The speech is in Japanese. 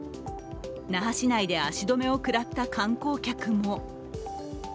那覇市内で足止めを食らった観光客も。